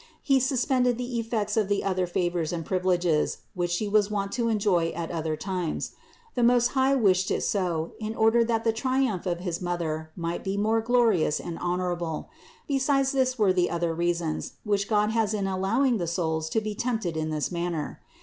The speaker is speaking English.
He suspended the effects of the other favors and privileges, which She was wont to enjoy at other times. The Most High wished it so, in order that the 274 CITY OF GOD triumph of his Mother might be more glorious and honorable; besides this there were the other reasons, which God has in allowing the souls to be tempted in this manner.